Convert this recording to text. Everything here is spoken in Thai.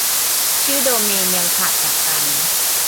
ชื่อโดเมนยังขาดจากกัน